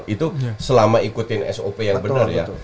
itu selama ikutin sop yang benar ya